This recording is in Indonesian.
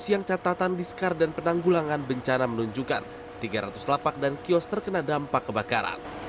siang catatan diskar dan penanggulangan bencana menunjukkan tiga ratus lapak dan kios terkena dampak kebakaran